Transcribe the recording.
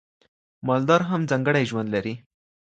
مالدار هم ځانګړی ژوند لري.